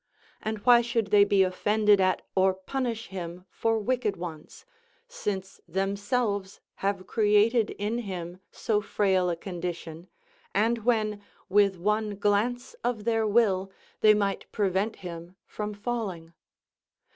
And why should they be offended at or punish him for wicked ones, since themselves have created in him so frail a condition, and when, with one glance of their will, they might prevent him from falling?